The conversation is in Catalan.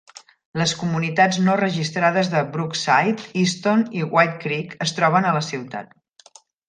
Les comunitats no registrades de Brookside, Easton i White Creek es troben a la ciutat.